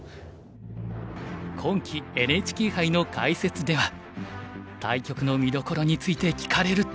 今期ＮＨＫ杯の解説では対局の見どころについて聞かれると。